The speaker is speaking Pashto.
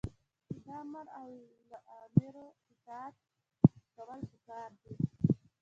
د آمر له اوامرو اطاعت کول پکار دي.